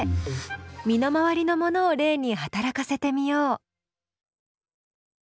身の回りのものを例に働かせてみよう。